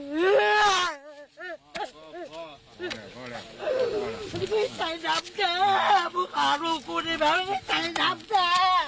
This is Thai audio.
ไม่ใช่น้ำเจ้อมึงขาลูกกูนี่แม่ไม่ใช่น้ำเจ้อ